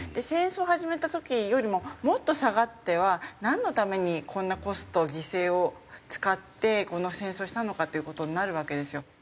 戦争を始めた時よりももっと下がってはなんのためにこんなコスト犠牲を使ってこの戦争をしたのかっていう事になるわけですよ。